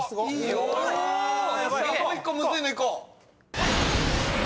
もう１個むずいのいこう。